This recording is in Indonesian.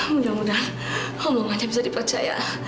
mudah mudahan allah saja bisa dipercaya